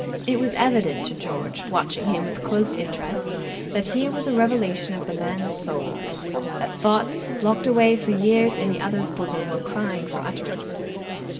It was evident to George, watching him with close interest, that here was a revelation of the man's soul; that thoughts, locked away for years in the other's bosom were crying for utterance.